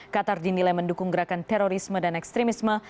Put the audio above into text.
qatar dinilai mendukung gerakan terorisme dan ekstremisme